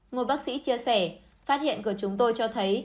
một bác sĩ chia sẻ phát hiện của chúng tôi cho thấy